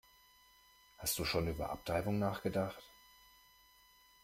Hast du schon über Abtreibung nachgedacht?